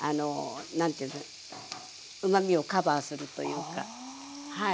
うまみをカバーするというかはい。